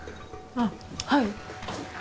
あっはい。